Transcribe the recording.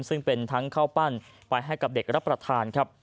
ซึ่งเป็นทั้งข้าวปั้นไปให้กับเด็กรับประทานครับ